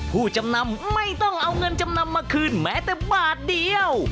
ผู้จำนำไม่ต้องเอาเงินจำนำมาคืนแม้แต่บาทเดียว